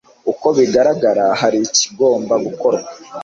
Uko bigaragara hari ikigomba gukorwa